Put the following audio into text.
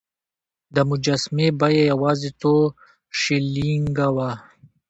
د مجسمې بیه یوازې څو شیلینګه وه.